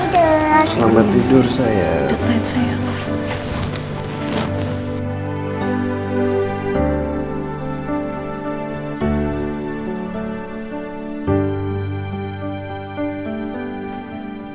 selamat tidur sayang